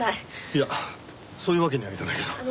いやそういうわけにはいかないだろう。